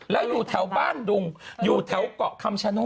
แล้วอยู่แถวบ้านดุงอยู่แถวเกาะคำชโนธ